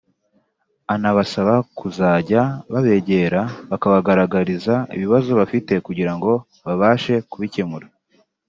anabasaba kuzajya babegera bakabagaragariza ibibazo bafite kugira ngo babafashe kubikemura